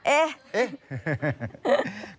เอ๊ะ